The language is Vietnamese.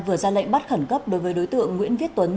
vừa ra lệnh bắt khẩn cấp đối với đối tượng nguyễn viết tuấn